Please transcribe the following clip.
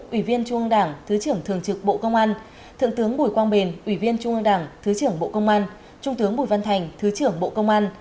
ủy viên trung ương đảng thứ trưởng thường trực bộ công an thượng tướng bùi quang bình ủy viên trung ương đảng thứ trưởng bộ công an trung tướng bùi văn thành thứ trưởng bộ công an